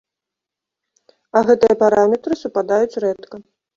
А гэтыя параметры супадаюць рэдка.